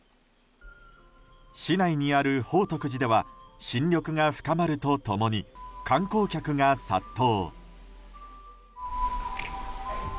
市内にある宝徳寺では新緑が深まると共に観光客が殺到。